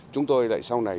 chúng tôi lại sau này